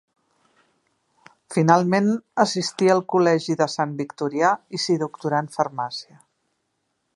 Finalment assistí al Col·legi de Sant Victorià i s'hi doctorà en farmàcia.